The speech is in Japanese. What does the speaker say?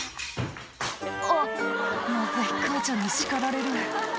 「あっまずい母ちゃんに叱られる」